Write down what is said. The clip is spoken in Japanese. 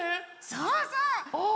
そうそう！